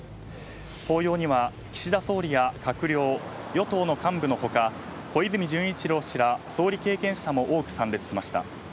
法要には、岸田総理や閣僚与党の幹部の他小泉純一郎氏ら総理経験者も多く参列しました。